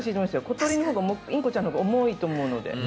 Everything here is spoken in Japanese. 小鳥のほうがインコちゃんのほうが重いと思うので。